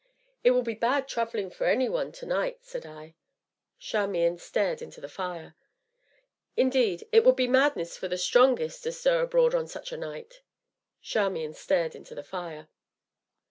"It will be bad travelling for any one to night," said I. Charmian stared into the fire. "Indeed, it would be madness for the strongest to stir abroad on such a night." Charmian stared into the fire.